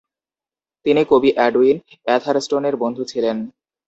তিনি কবি Edwin Atherstone এর বন্ধু ছিলেন।